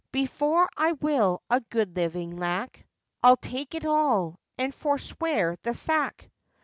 Before I will a good living lack, I'll take it all, and forswear the sack!